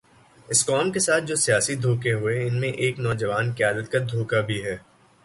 اس قوم کے ساتھ جو سیاسی دھوکے ہوئے، ان میں ایک نوجوان قیادت کا دھوکہ بھی ہے۔